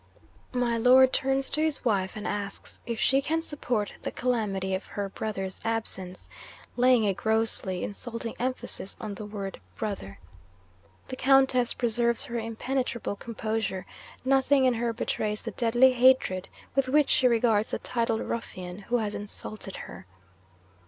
My Lord turns to his wife, and asks if she can support the calamity of her brother's absence laying a grossly insulting emphasis on the word "brother." The Countess preserves her impenetrable composure; nothing in her betrays the deadly hatred with which she regards the titled ruffian who has insulted her.